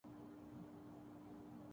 تو اورچیزوں کی وجہ سے۔